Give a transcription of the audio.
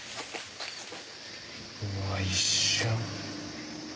うわ一瞬。